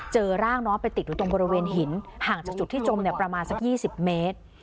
เจอร่างน้องไปติดอยู่ตรงบริเวณหินห่างจากจุดที่จมประมาณสัก๒๐เมตร